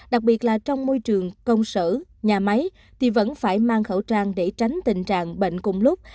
đặc biệt là trong môi trường công sở nhà máy thì vẫn phải mang khẩu trang để tránh tình trạng bệnh cùng lúc